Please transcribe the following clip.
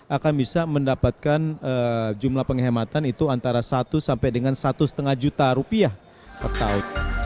akan bisa mendapatkan jumlah penghematan itu antara satu sampai dengan satu lima juta rupiah per tahun